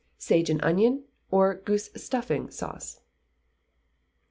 Sage and Onion, or Goose Stuffing Sauce.